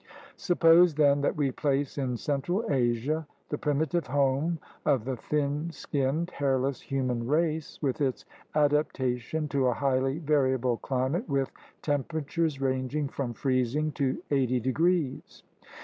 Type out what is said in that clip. Suppose, then, that we place in central Asia the primitive home of the thin skinned, hairless human race with its adaptation to a highly variable climate with temperatures ranging from freezing to eighty degrees.